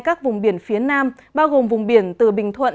các vùng biển phía nam bao gồm vùng biển từ bình thuận